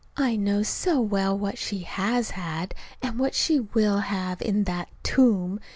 I know so well what she has had, and what she will have in that tomb.